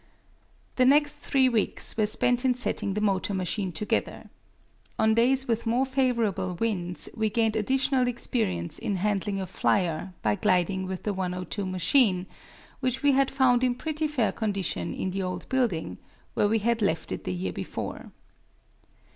The next three weeks were spent in setting the motor machine together. On days with more favorable winds we gained additional experience in handling a flyer by gliding with the 1902 machine, which we had found in pretty fair condition in the old building, where we had left it the year before.